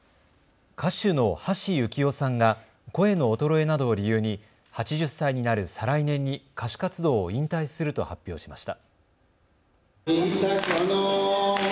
歌手の橋幸夫さんが声の衰えなどを理由に８０歳になる再来年に歌手活動を引退すると発表しました。